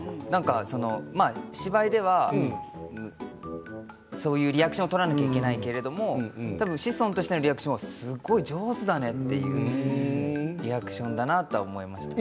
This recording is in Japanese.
芝居では、そういうリアクションを取らなければいけないけれどただ志尊としてのリアクションはすごい上手だねっていうリアクションだなと思いましたね。